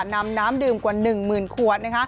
นำน้ำดื่มกว่า๑หมื่นขวด